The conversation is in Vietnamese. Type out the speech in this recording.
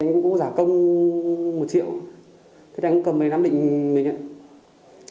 anh cũng giả công một triệu thế anh cũng cầm về nắm định mình ạ